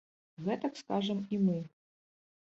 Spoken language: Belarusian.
Гэтак скажам і мы.